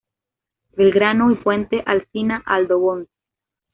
Belgrano y Puente Alsina-Aldo Bonzi.